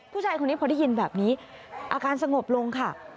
ผู้ชายคนนี้พอได้ยินแบบนี้อาการสงบลงค่ะ